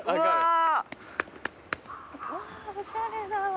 わあおしゃれだわ。